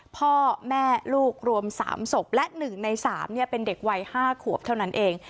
พ่อแม่ลูกรวมสามศพและหนึ่งในสามเนี่ยเป็นเด็กวัยห้าขวบเท่านั้นเอง